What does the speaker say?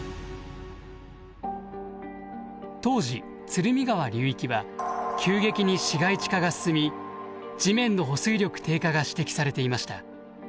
当時鶴見川流域は急激に市街地化が進み地面の保水力低下が指摘されていました。